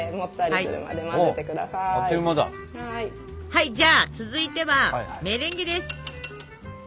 はいじゃあ続いてはメレンゲです。